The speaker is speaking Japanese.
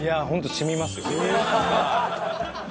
染みますか。